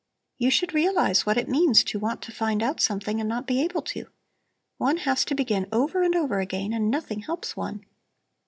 You should realize what it means to want to find out something and not be able to. One has to begin over and over again, and nothing helps one.